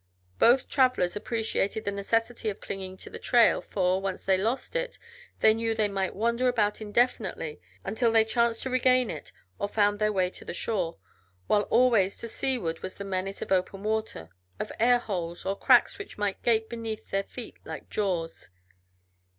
Both travelers appreciated the necessity of clinging to the trail, for, once they lost it, they knew they might wander about indefinitely until they chanced to regain it or found their way to the shore, while always to seaward was the menace of open water, of air holes, or cracks which might gape beneath their feet like jaws.